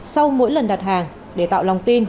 sau mỗi lần đặt hàng để tạo lòng tin